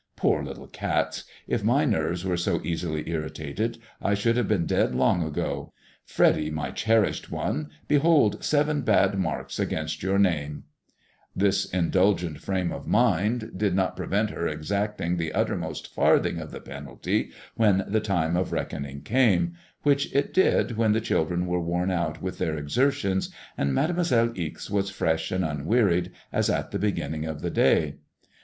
" Poor little cats ! If my nerves were so easily irritated, I should have been dead long ago. Freddy, my cherished one, behold seven bad marks against your name I " This indulgent frame of mind did not prevent her exacting the uttermost farthing of the penalty when the time of reckoning came, which it did when the children were worn out with their exer tions, and Mademoiselle Ixe was fresh and unwearied as at the beginning of the fray.